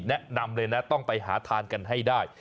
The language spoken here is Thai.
แนะนำเลยนะต้องไปหาทานกันให้ได้